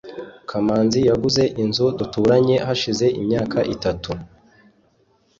kamanzi yaguze inzu duturanye hashize imyaka itatu